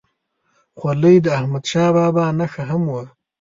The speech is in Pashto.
خولۍ د احمدشاه بابا نښه هم وه.